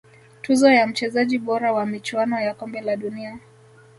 tuzo ya mchezaji bora wa michuano ya kombe la dunia